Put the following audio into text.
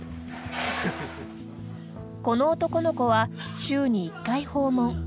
この男の子は、週に１回訪問。